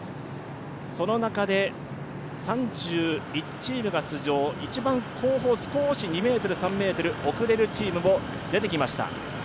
その中で３１チームが出場、一番後方、２３ｍ遅れるチームも出てきました。